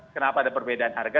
kenapa ada perbedaan harga